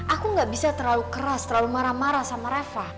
aku gak bisa terlalu keras terlalu marah marah sama reva